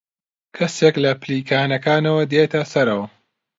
کەسێک لە پلیکانەکانەوە دێتە سەرەوە.